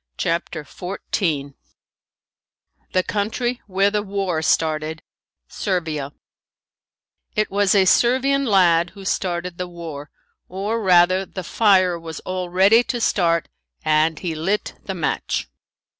CHAPTER XIV THE COUNTRY WHERE THE WAR STARTED SERVIA It was a Servian lad who started the war, or rather the fire was all ready to start and he lit the match.